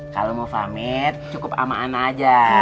kalau mau pamit cukup ama ana aja